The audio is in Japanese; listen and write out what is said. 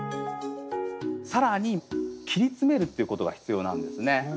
更に切り詰めるっていうことが必要なんですね。